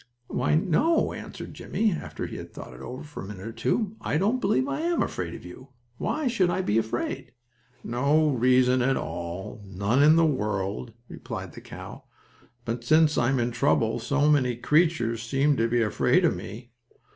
"Why no," answered Jimmie, after he had thought it over for a minute or two. "I don't believe I am afraid of you. Why should I be afraid?" "No reason at all; none in the world," replied the cow. "But since I'm in trouble so many creatures seem to be afraid of me.